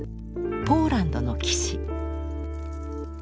「ポーランドの騎士」。